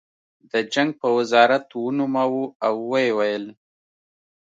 د جنګ په وزارت ونوموه او ویې ویل